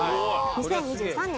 ２０２３年